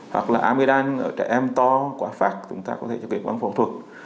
hoặc là amidam ở trẻ em to quá phát thì chúng ta có thể giải quyết bằng phẫu thuật